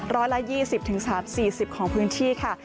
ร้อยละ๒๐๓๔๐ของพื้นที่ค่ะ